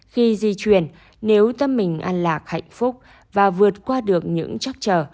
khi di chuyển nếu tâm mình an lạc hạnh phúc và vượt qua được những chắc trở